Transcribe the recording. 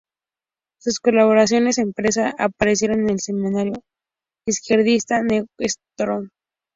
Sus colaboraciones en prensa aparecieron en el semanario izquierdista "New Statesman".